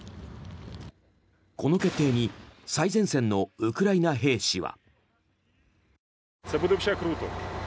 この決定に最前線のウクライナ兵士は。